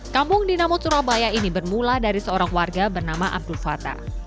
kampung dinamo surabaya ini bermula dari seorang warga bernama abdul fatah